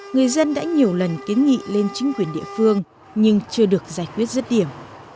người dân đã nhiều lần kiến nghị lên chính quyền địa phương nhưng chưa được giải quyết rứt điểm